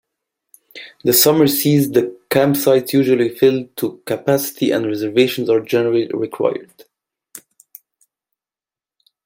The summer sees the campsites usually filled to capacity and reservations are generally required.